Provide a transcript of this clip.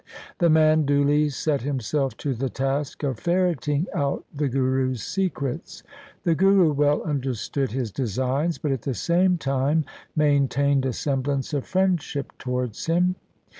The man duly set himself to the task of ferreting out the Guru's secrets. The Guru well understood his designs, but at the same time main tained a semblance of friendship towards him.